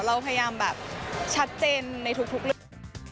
เราพยายามแบบชัดเจนในทุกเรื่อง